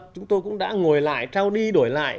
chúng tôi cũng đã ngồi lại trao đi đổi lại